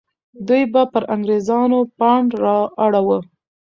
دوی به پر انګریزانو پاڼ را اړوه.